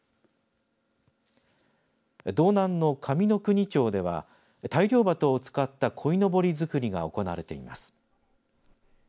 道南の上ノ国町では大漁旗を使ったこいのぼり作りが行われています。